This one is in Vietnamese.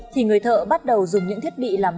thì người thợ bắt đầu dùng những thiết bị làm